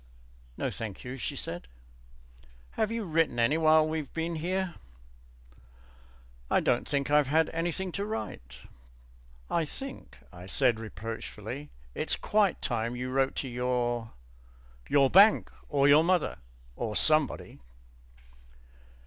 "No, thank you," she said. "Have you written any while we've been here?" "I don't think I've had anything to write." "I think," I said reproachfully, "it's quite time you wrote to your your bank or your mother or somebody."